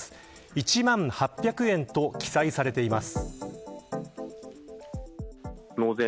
１万８００円と記載されています。